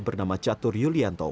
bernama catur yulianto